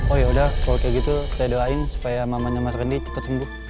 oh ya udah kalau gitu saya doain supaya mamanya mas gendi cepet sembuh